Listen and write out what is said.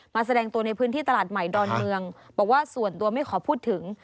แสดงตัวในพื้นที่ตลาดใหม่ดอนเมืองบอกว่าส่วนตัวไม่ขอพูดถึง